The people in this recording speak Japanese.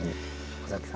尾崎さん。